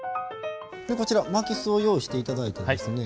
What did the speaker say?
こちら巻きすを用意して頂いてですね